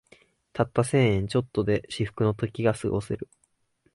たった千円ちょっとで至福の時がすごせる